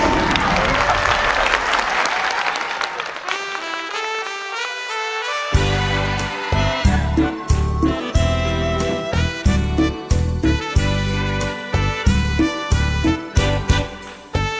ขอโชคดี